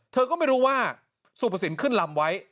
เธอก็ไม่รู้ว่าสุภสินขึ้นลำไว้